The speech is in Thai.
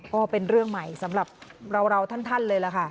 ก็เป็นเรื่องใหม่สำหรับเราท่านเลยล่ะค่ะ